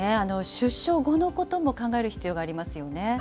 出所後のことも考える必要がありますよね。